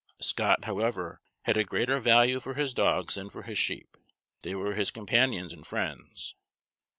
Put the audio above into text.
Scott, however, had a greater value for his dogs than for his sheep. They were his companions and friends.